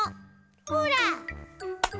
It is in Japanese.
ほら！